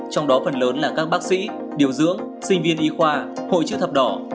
trong đó phần lớn là các bác sĩ điều dưỡng sinh viên y khoa hội chữ thập đỏ